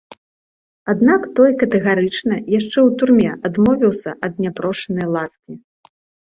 Аднак той катэгарычна, яшчэ ў турме, адмовіўся ад няпрошанай ласкі.